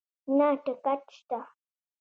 نه ټکټ شته